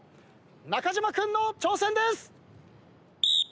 中島君の挑戦です！